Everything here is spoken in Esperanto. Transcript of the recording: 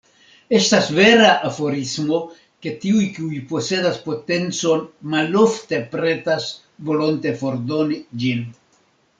Estas vera aforismo, ke “tiuj, kiuj posedas potencon, malofte pretas volonte fordoni ĝin.